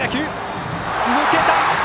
抜けた！